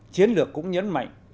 chiến lược cũng nhấn mạnh